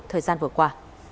thời gian vừa qua